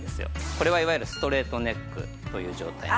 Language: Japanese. これはいわゆるストレートネックという状態なので。